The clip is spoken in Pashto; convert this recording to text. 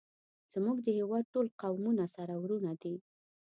زمونږ د هیواد ټول قومونه سره ورونه دی